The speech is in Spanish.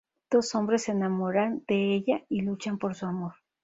Dos hombres se enamoran de ella y luchan por su amor.